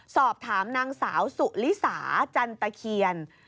สอบถามนางสาวสุลิสาจันตะเคียน